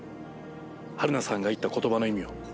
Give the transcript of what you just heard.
春名さんが言った言葉の意味を。